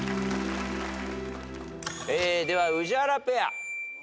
では宇治原ペア。